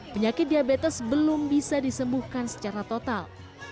penyakit diabetes belum bisa disembuhkan secara total